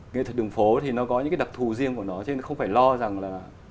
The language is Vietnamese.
nghệ thuật đường phố thì nó có những đặc thù riêng của nó chứ không phải lo rằng là